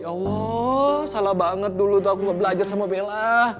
ya allah salah banget dulu tuh aku belajar sama bella